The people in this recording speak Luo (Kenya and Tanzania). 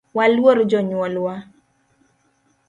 Waluor jonyuol wa